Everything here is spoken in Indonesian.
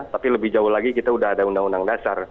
tapi lebih jauh lagi kita udah ada undang undang dasar